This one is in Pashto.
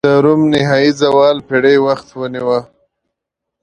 د روم نهايي زوال پېړۍ وخت ونیوه.